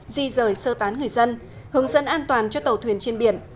di rời sơ tán người dân hướng dẫn an toàn cho tàu thuyền trên biển